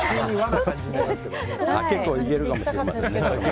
結構いけるかもしれません。